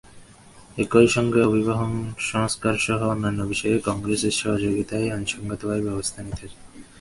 একই সঙ্গে অভিবাসন সংস্কারসহ অন্যান্য বিষয়ে কংগ্রেসের সহযোগিতায় আইনসংগতভাবে ব্যবস্থা নিতে চাই।